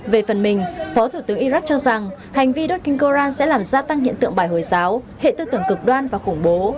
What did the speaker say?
về phần mình phó thủ tướng iraq cho rằng hành vi đốt kinh koran sẽ làm gia tăng hiện tượng bài hồi giáo hệ tư tưởng cực đoan và khủng bố